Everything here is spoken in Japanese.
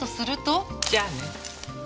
じゃあね。